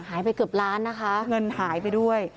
หายไปเกือบล้านนะคะเงินหายไปด้วย